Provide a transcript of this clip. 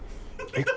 えっ？